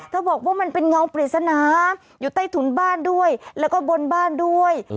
บอกว่ามันเป็นเงาปริศนาอยู่ใต้ถุนบ้านด้วยแล้วก็บนบ้านด้วย